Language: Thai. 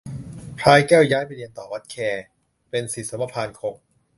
พลายแก้วย้ายไปเรียนต่อวัดแค เป็นศิษย์สมภารคง